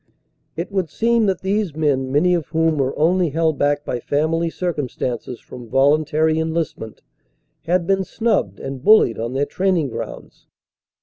It would seem that these men many of whom were only held back by family circumstances from voluntary enlistment had been snubbed and bullied on their training grounds.